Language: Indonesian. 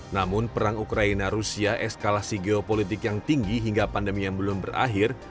namun perang ukraina rusia eskalasi geopolitik yang tinggi hingga pandemi yang belum berakhir